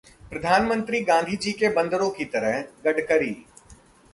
प्रधानमंत्री गांधी जी के बंदरों की तरह: गडकरी